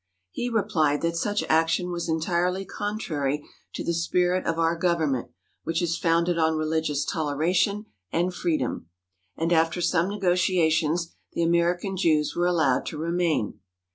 He replied that such action was entirely contrary to the spirit of our government which is founded on religious toleration and freedom, and after some negotiations the American Jews were allowed to remain.